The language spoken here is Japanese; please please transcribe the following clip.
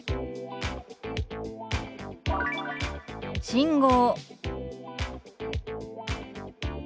「信号」。